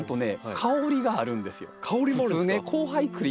香りもあるんですか？